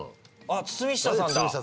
あっ堤下さんだ。